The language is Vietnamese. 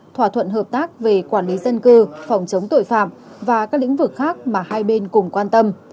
thỏa thuận hợp tác về quản lý dân cư phòng chống tội phạm và các lĩnh vực khác mà hai bên cùng quan tâm